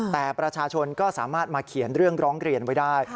แต่ประชาชนก็สามารถมาเขียนเรื่องร้องเรียนไว้ได้